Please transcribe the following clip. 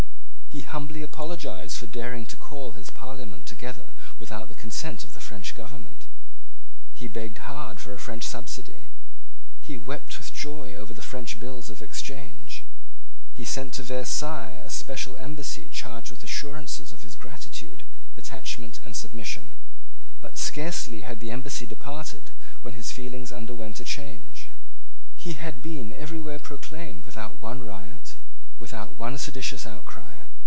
He humbly apologised for daring to call his Parliament together without the consent of the French government. He begged hard for a French subsidy. He wept with joy over the French bills of exchange. He sent to Versailles a special embassy charged with assurances of his gratitude, attachment, and submission. But scarcely had the embassy departed when his feelings underwent a change. He had been everywhere proclaimed without one riot, without one seditions outcry.